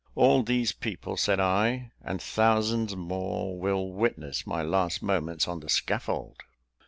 "All these people," said I, "and thousands more, will witness my last moments on the scaffold!"